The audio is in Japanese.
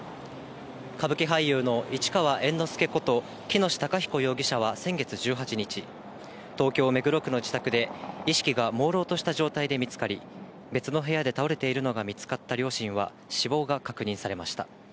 歌舞伎俳優の市川猿之助こと、喜熨斗孝彦容疑者は先月１８日、東京・目黒区の自宅で意識がもうろうとした状態で見つかり、別の部屋で倒れているのが見つかった両親は死亡が確認されました。